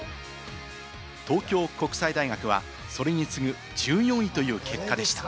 東京国際大学はそれに次ぐ１４位という結果でした。